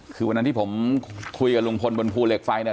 คือวันนั้นที่ผมคุยกับลุงพลบนภูเหล็กไฟเนี่ย